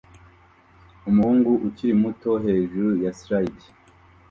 Umuhungu ukiri muto hejuru ya slide